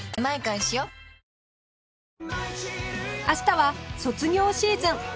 明日は卒業シーズン！